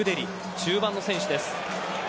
中盤の選手です。